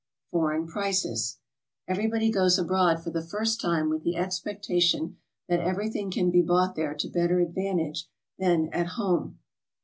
FOREIGN PRICES. Everybody goes abroad for the first time 'with the ex pectation that everything can be bought there to better ad vantage than at home.